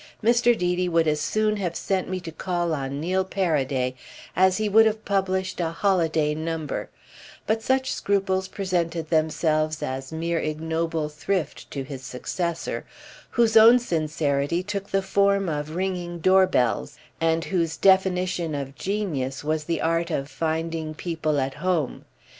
Mr. Deedy would as soon have sent me to call on Neil Paraday as he would have published a "holiday number"; but such scruples presented themselves as mere ignoble thrift to his successor, whose own sincerity took the form of ringing door bells and whose definition of genius was the art of finding people at home.